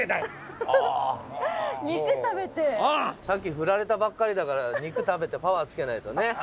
さっき振られたばっかりだから肉食べてパワーつけないとね。